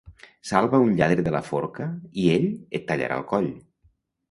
Salva un lladre de la forca i ell et tallarà el coll.